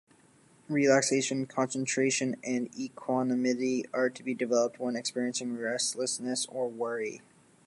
Relaxation, concentration, and equanimity are to be developed when experiencing restlessness or worry.